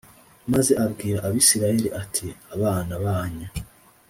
Maze abwira abisirayeli ati abana banyu